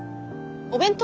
お弁当？